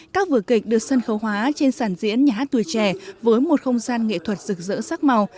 các vở kịch được sân khấu hóa trên sàn diễn nhà hát tuổi trẻ với một không gian nghệ thuật rực rỡ sắc màu